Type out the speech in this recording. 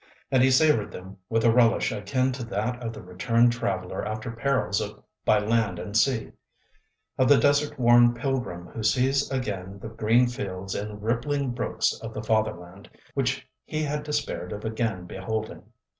And he savoured them with a relish akin to that of the returned traveller after perils by land and sea, of the desert worn pilgrim who sees again the green fields and rippling brooks of the fatherland which he had despaired of again beholding.